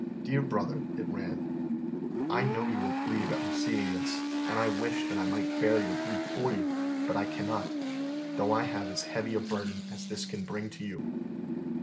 "DEAR BROTHER," it ran, "I know you will grieve at receiving this, and I wish that I might bear your grief for you, but I cannot, though I have as heavy a burden as this can bring to you.